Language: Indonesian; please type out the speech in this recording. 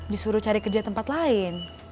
disuruh cari kerja tempat lain